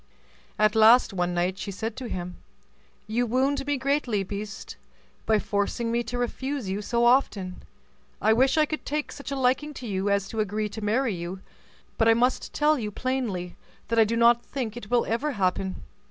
At last, one night, she said to him, "You wound me greatly, beast, by forcing me to refuse you so often; I wish I could take such a liking to you as to agree to marry you; but I must tell you plainly that I do not think it will ever happen.